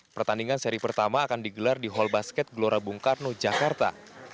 pertandingan seri pertama akan digelar di hall basket gelora bung karno jakarta